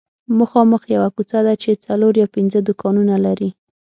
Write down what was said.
مخامخ یوه کوڅه ده چې څلور یا پنځه دوکانونه لري